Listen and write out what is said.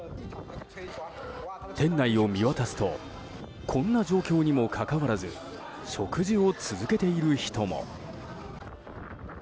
店内を見渡すとこんな状況にもかかわらず食事を続けている人も。